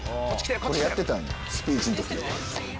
これやってたんやスピーチの時。